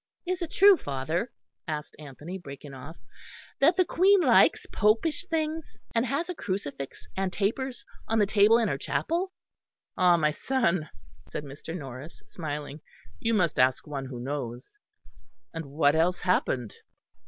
Is it true, father," asked Anthony, breaking off, "that the Queen likes popish things, and has a crucifix and tapers on the table in her chapel?" "Ah! my son," said Mr. Norris, smiling, "you must ask one who knows. And what else happened?"